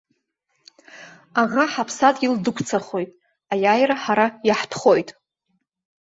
Аӷа ҳаԥсадгьыл дықәцахоит, аиааира ҳара иаҳтәхоит!